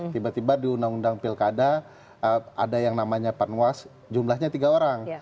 tiba tiba di undang undang pilkada ada yang namanya panwas jumlahnya tiga orang